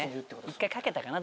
１回かけたかな？